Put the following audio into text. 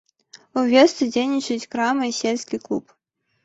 У вёсцы дзейнічаюць крама і сельскі клуб.